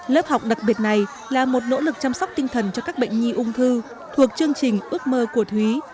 lớp học đặc biệt này là một nỗ lực chăm sóc tinh thần cho các bệnh nhi ung thư thuộc chương trình ước mơ của thúy